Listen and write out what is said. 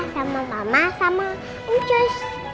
sama mama sama ujus